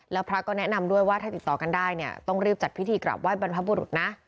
แล้วพระก็แนะนำด้วยว่าถ้าติดต่อกันได้เนี่ยต้องรีบจัดพิธีกลับไห้บรรพบุรุษนะ